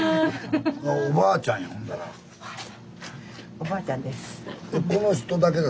おばあちゃんです。